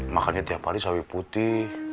makannya tiap hari sawit putih